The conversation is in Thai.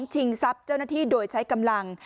ชิงทรัพย์เจ้าหน้าที่โดยใช้กำลัง